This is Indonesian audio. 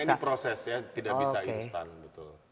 karena ini proses ya tidak bisa instan